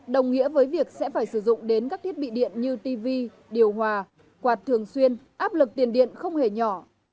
đồng nghĩa với việc sẽ phải sử dụng đến các thiết bị điện như tv điều hòa quạt thường xuyên áp lực tiền điện không hề nhỏ